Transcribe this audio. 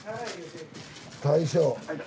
大将。